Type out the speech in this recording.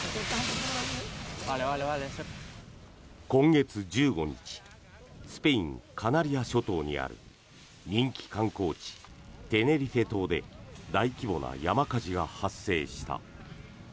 今月１５日スペイン・カナリア諸島にある人気観光地、テネリフェ島で大規模な山火事が発生した。